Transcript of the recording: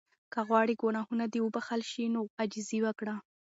که غواړې ګناهونه دې وبخښل شي نو عاجزي وکړه.